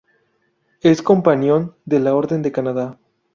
Es Companion de la Orden de Canadá.